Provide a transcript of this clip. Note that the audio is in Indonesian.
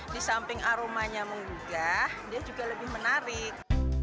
di samping aromanya menggugah dia juga lebih menarik